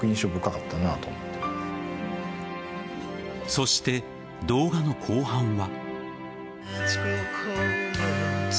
そして、動画の後半は。